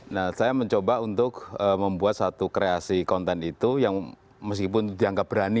nah saya mencoba untuk membuat satu kreasi konten itu yang meskipun dianggap berani